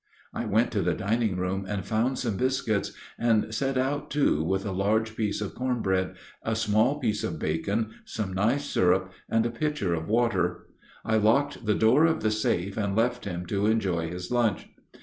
I went to the dining room and found some biscuits, and set out two, with a large piece of corn bread, a small piece of bacon, some nice syrup, and a pitcher of water. I locked the door of the safe and left him to enjoy his lunch.